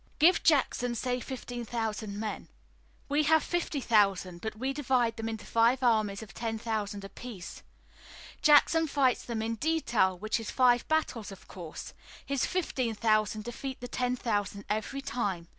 Give Jackson, say, fifteen thousand men. We have fifty thousand, but we divide them into five armies of ten thousand apiece. Jackson fights them in detail, which is five battles, of course. His fifteen thousand defeat the ten thousand every time.